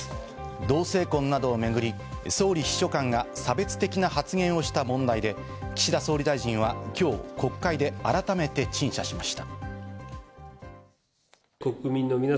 同性婚などをめぐり総理秘書官が差別的な発言をした問題で、岸田総理大臣は今日、国会で改めて陳謝しました。